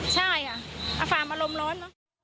ใช่ค่ะอฟาร์มอารมณ์ร้อน